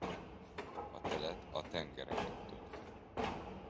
A telet a tengereken tölti.